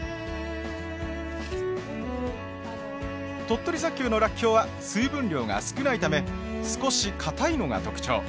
鳥取砂丘のらっきょうは水分量が少ないため少しかたいのが特徴。